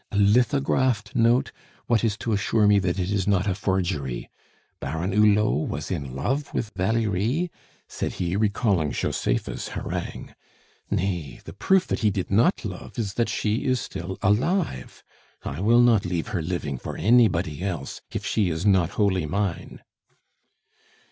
A lithographed note! What is to assure me that it is not a forgery? Baron Hulot was in love with Valerie?" said he, recalling Josepha's harangue. "Nay; the proof that he did not love is that she is still alive I will not leave her living for anybody else, if she is not wholly mine."